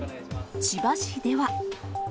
千葉市では。